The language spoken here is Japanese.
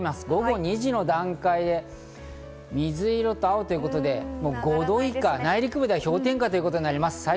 午後２時の段階で、水色と青ということで、５度以下、内陸部では氷点下ということになります。